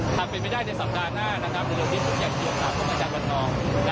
ถ้าไปไม่ได้ในสัปดาห์หน้านังการบริเวณนี้ทุกอย่างมันมาตราต้องมาจากวัตเงา